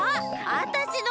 あたしの！